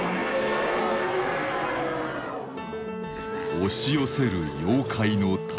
押し寄せる妖怪の大軍。